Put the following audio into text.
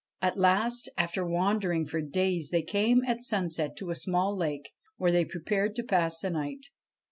At last, after wandering for days, they came at sunset to a small lake, where they prepared to pass the night.